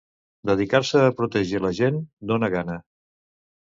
Dedicar-se a protegir la gent dona gana.